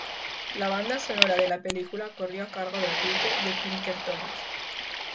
La banda sonora de la película corrió a cargo del grupo The Pinker Tones.